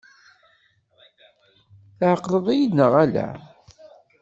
Tɛeqleḍ-iyi-d neɣ ala?